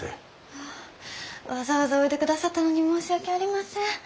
あわざわざおいでくださったのに申し訳ありません。